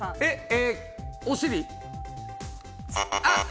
お尻。